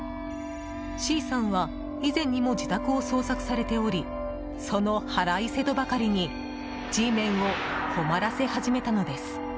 Ｃさんは以前にも自宅を捜索されておりその腹いせとばかりにＧメンを困らせ始めたのです。